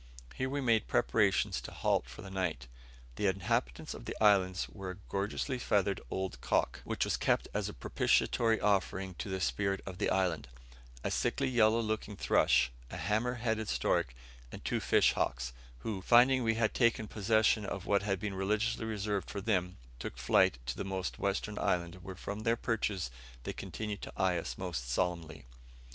Here we made preparations to halt for the night. The inhabitants of the island were a gorgeously feathered old cock, which was kept as a propitiatory offering to the spirit of the island, a sickly yellow looking thrush, a hammer headed stork, and two fish hawks, who, finding we had taken possession of what had been religiously reserved for them, took flight to the most western island, where from their perches they continued to eye us most solemnly.